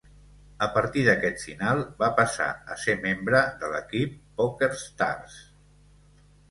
A partir d'aquesta final, va passar a ser membre de l'Equip PokerStars.